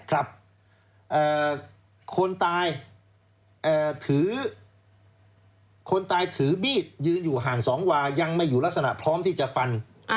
คนตายถือบีบยืนอยู่ห่างสองวายังไม่อยู่ลักษณะพร้อมที่จะฟัน